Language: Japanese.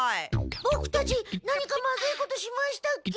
ボクたち何かまずいことしましたっけ？